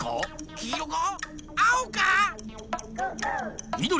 きいろか？